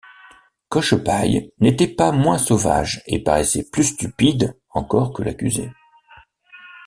Cochepaille n’était pas moins sauvage et paraissait plus stupide encore que l’accusé.